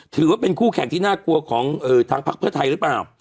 ถือว่าเป็นคู่แข่งที่น่ากลัวของทางพักเพื่อไทยหรือเปล่า